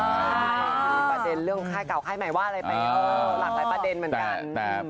ประเด็นเรื้อข่าวข้าวค่ายใหม่กับหลักหลายประเด็นเหมือนกัน